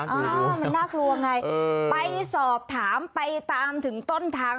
เออมันน่ากลัวไงไปสอบถามไปตามถึงต้นทาง